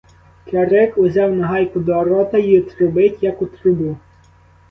Кирик узяв нагайку до рота й трубить, як у трубу.